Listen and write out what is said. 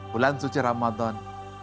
bulan suci ramadan